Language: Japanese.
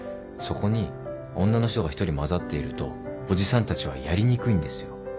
そこに女の人が１人交ざっているとおじさんたちはやりにくいんですよ。